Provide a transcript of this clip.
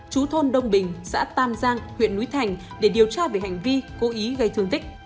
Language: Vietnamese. chú thôn đông bình xã tam giang huyện núi thành để điều tra về hành vi cố ý gây thương tích